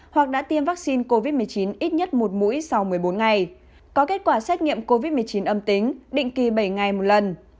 hoặc đã tiêm vaccine covid một mươi chín ít nhất một mũi sau một mươi bốn ngày có kết quả xét nghiệm covid một mươi chín âm tính định kỳ bảy ngày một lần